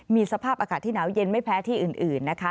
มีสภาพอากาศที่หนาวเย็นไม่แพ้ที่อื่นนะคะ